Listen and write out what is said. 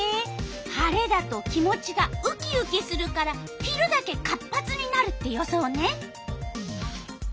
晴れだと気持ちがウキウキするから昼だけ活発になるって予想ね。